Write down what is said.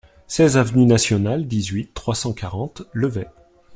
seize avenue Nationale, dix-huit, trois cent quarante, Levet